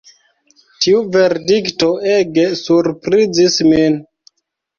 Tiu verdikto ege surprizis min.